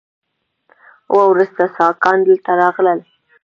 وروسته ساکان دلته راغلل